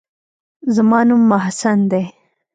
زما نوم محسن دى.